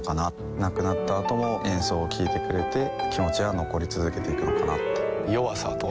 亡くなったあとも演奏を聴いてくれて気持ちは残り続けていくのかなって弱さとは？